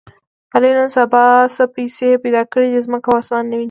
علي نن سبا څه پیسې پیدا کړې دي، ځمکه او اسمان نه ویني.